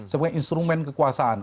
sebagai instrumen kekuasaan